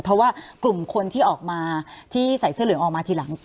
เพราะว่ากลุ่มคนที่ออกมาที่ใส่เสื้อเหลืองออกมาทีหลัง